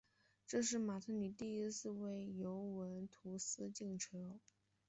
这是马特里第一次为尤文图斯进球。